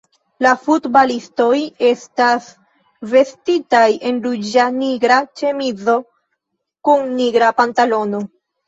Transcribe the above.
La futbalistoj estas vestitaj en ruĝa-nigra ĉemizo kun nigra pantalono.